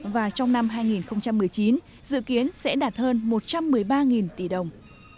và trong năm hai nghìn một mươi chín dự kiến sẽ đạt hơn một trăm một mươi ba tỷ đồng